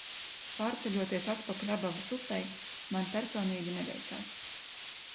Pārceļoties atpakaļ Abavas upei, man personīgi neveicās.